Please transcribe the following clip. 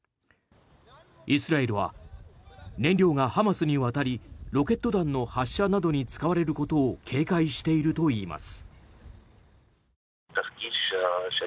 イスラエルは燃料がハマスに渡りロケット弾の発射などに使われることを警戒しているといいます。